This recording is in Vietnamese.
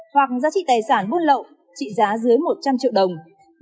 hoặc giá trị tài sản buôn lậu trị giá dưới một trăm linh triệu đồng